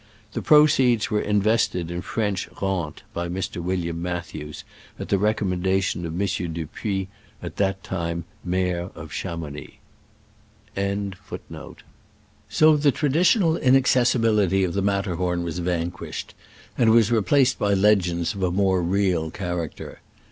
The proceeds were in vested in French Rentes (by Mr. William Mathews), at the recommendation of M. Dupui, at that time maure of Chamounix. So the traditional inaccessibility of th^ Matterhorn was vanquished, and was re placed by legends of a more real cha racter.